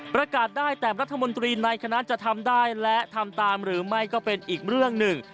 ประกาศได้แต่รัฐมนตรีในคณะจะทำได้และทำตามหรือไม่ก็เป็นอีกเรื่องหนึ่ง